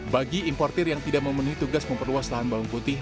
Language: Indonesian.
bagi importer yang tidak memenuhi tugas memperluas lahan bawang putih